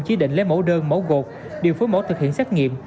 chỉ định lấy mẫu đơn mẫu gột điều phối mẫu thực hiện xét nghiệm